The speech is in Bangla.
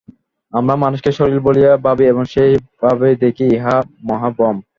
আমরা মানুষকে শরীর বলিয়াই ভাবি এবং সেই ভাবেই দেখি, ইহা মহা ভ্রম।